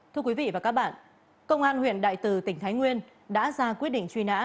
thưa quý vị và các bạn công an huyện đại từ tỉnh thái nguyên đã ra quyết định truy nã